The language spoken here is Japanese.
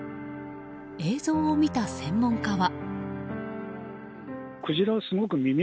映像を見た専門家は。